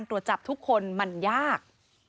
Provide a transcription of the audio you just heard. ตรวจจับทุกคนมันยาก